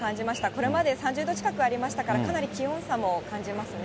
これまで３０度近くありましたから、かなり気温さも感じますね。